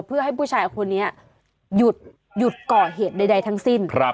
เพื่อให้ผู้ชายคนนี้หยุดก่อเหตุใดทั้งสิ้น